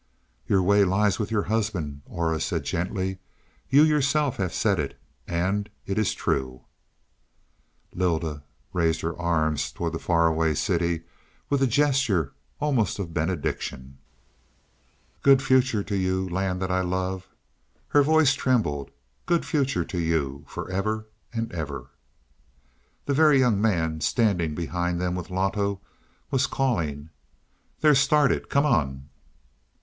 "Your way lies with your husband," Aura said gently. "You yourself have said it, and it is true." Lylda raised her arms up towards the far away city with a gesture almost of benediction. "Good future to you, land that I love." Her voice trembled. "Good future to you, for ever and ever." The Very Young Man, standing behind them with Loto, was calling: "They're started; come on."